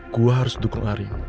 gue harus dukung rin